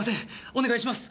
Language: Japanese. お願いします